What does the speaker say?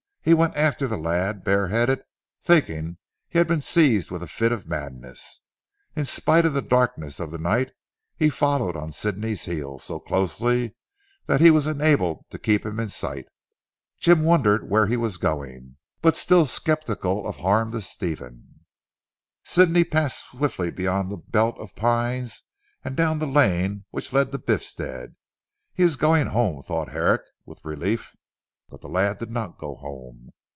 He went after the lad bare headed thinking he had been seized with a fit of madness. In spite of the darkness of the night he followed on Sidney's heels so closely that he was enabled to keep him in sight. Jim wondered where he was going, being still sceptical of harm to Stephen. Sidney passed swiftly beyond the belt of pines and down the lane which led to Biffstead. "He is going home," thought Herrick with relief. But the lad did not go home.